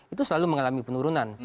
itu selalu mengalami penurunan